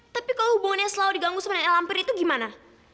tapi kalau hubungannya selalu diganggu sebenarnya lampir itu gimana